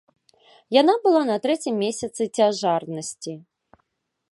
Яна была на трэцім месяцы цяжарнасці.